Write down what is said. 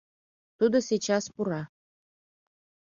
— Тудо сейчас пура.